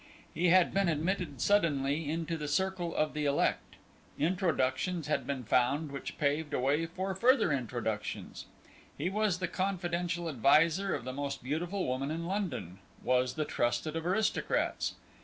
He had been admitted suddenly into the circle of the elect. Introductions had been found which paved a way for further introductions. He was the confidential adviser of the most beautiful woman in London, was the trusted of aristocrats.